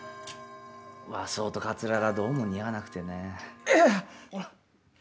和装と、かつらがどうも似合わなくてね。